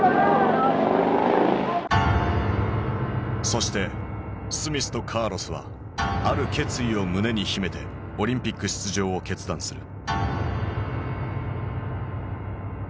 そしてスミスとカーロスはある決意を胸に秘めてオリンピック出場を決断する。